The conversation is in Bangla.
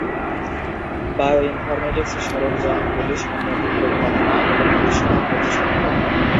বায়োইনফরমেটিক্স সরঞ্জামগুলি সম্মতি ক্রম গণনা এবং দৃশ্যমান করতে সক্ষম।